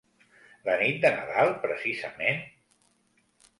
La nit de Nadal precisament?